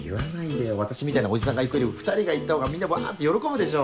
私みたいなおじさんが行くよりも２人が行ったほうがみんなワって喜ぶでしょ。